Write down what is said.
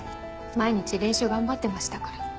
毎日練習頑張ってましたから。